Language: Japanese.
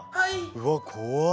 うわっ怖っ。